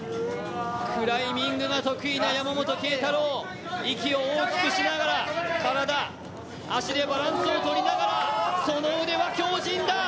クライミングが得意な山本桂太朗、息を大きくしながら、体、足でバランスを取りながらその腕は強じんだ。